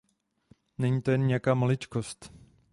Není to jen nějaká maličkost.